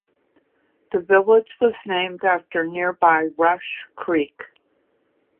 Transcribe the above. The village was named after nearby Rush Creek.